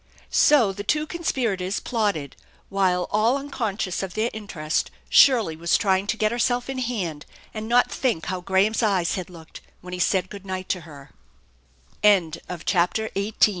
So the two conspirators plotted, while all unconscious of their interest Shirley was trying to get herself in hand and not thick how Graham's eyes had looked when he said good night to CHAPTEK XIX SINCE the pastor